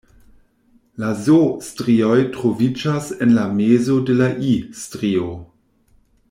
La Z-strioj troviĝas en la mezo de la I-strio.